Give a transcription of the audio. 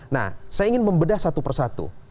nah saya ingin membedah satu persatu